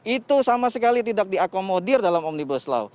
itu sama sekali tidak diakomodir dalam omnibus law